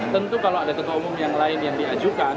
tentu kalau ada ketua umum yang lain yang diajukan